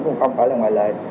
cũng không phải là ngoại lệ